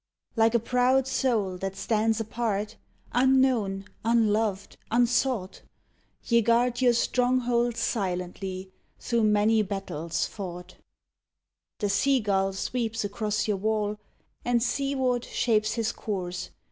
Like a proud soul that stands apart, Unknown, unloved, unsought, Ye guard your stronghold silently Through many battles fought. The sea gull sweeps across your wall, And seaward shapes his course!